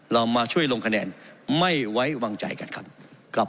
เรามาช่วยลงคะแนนไม่ไว้วางใจกันครับ